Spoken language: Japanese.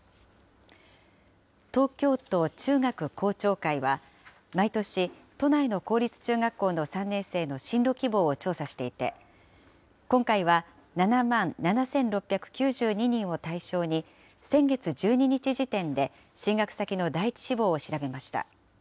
東京都中学校長会は、毎年、都内の公立中学校の３年生の進路希望を調査していて、今回は７万７６９２人を対象に、先月１２日時点で進学先の第１志望を調べました。